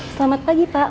selamat pagi pak